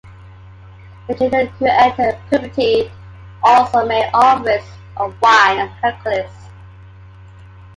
The children who entered puberty also made offerings of wine to Hercules.